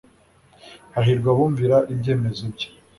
Hahirwa abumvira ibyemezo bye